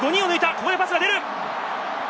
ここでパスが出る。